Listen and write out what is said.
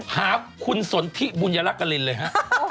หาคุณสนที่บุญรัตน์กะลินเลยฮะ